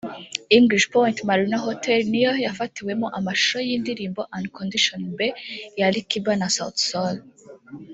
English Point Marina Hotel niyo yafatiwemo amashusho y’indirimbo ’Unconditionally Bae’ ya Ali Kiba na Sauti Sol